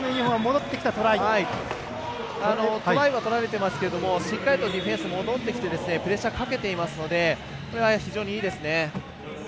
トライはとられてますけれどもしっかりとディフェンス戻ってきてプレッシャーかけていますので非常にいいですね。